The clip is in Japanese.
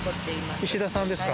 石田さんですか。